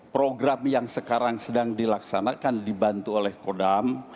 program yang sekarang sedang dilaksanakan dibantu oleh kodam